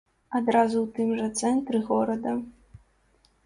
Адразу ў тым жа цэнтры горада.